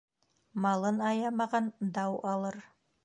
Малын аямаған дау алыр.